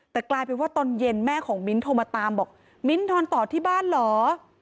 แต่กลายเป็นว่าตอนเย็นแม่ของมิ้นโทรมาตามบอกมิ้นทอนต่อที่บ้านเหรอ